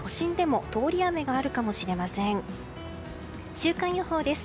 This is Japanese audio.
週間予報です。